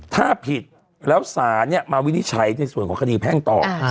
ถ้าผิดแล้วศาลมาวินิจฉัยในส่วนของคดีแพ่งต่อ